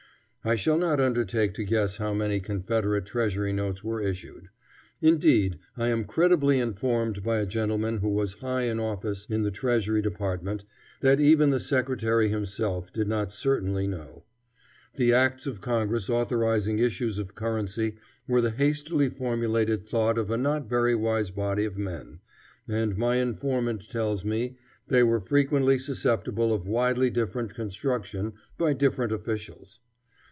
I shall not undertake to guess how many Confederate treasury notes were issued. Indeed, I am credibly informed by a gentleman who was high in office in the Treasury Department, that even the secretary himself did not certainly know. The acts of Congress authorizing issues of currency were the hastily formulated thought of a not very wise body of men, and my informant tells me they were frequently susceptible of widely different construction by different officials.